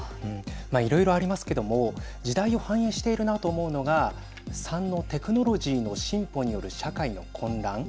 いろいろありますけども時代を反映しているなと思うのが３のテクノロジーの進歩による社会の混乱。